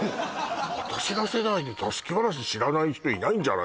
私ら世代で座敷童知らない人いないんじゃない？